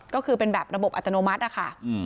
ก็คือเป็นแบบระบบอัตโนมัตินะคะ